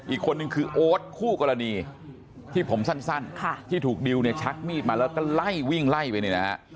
อีกคนนึงคือโอ๊ตคู่กรณีที่ผมสั้นที่ถูกดิวเนี่ยชักมีดมาแล้วก็ไล่วิ่งไล่ไปเนี่ยนะฮะ